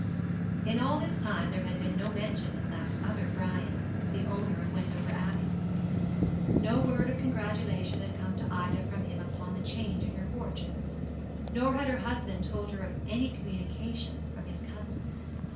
In all this time there had been no mention of that other Brian the owner of Wendover Abbey. No word of congratulation had come to Ida from him upon the change in her fortunes; nor had her husband told her of any communication from his cousin.